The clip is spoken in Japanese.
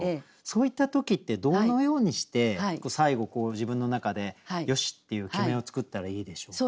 そういった時ってどのようにして最後自分の中で「よし」っていう決めを作ったらいいでしょうか。